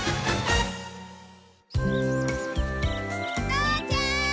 父ちゃん！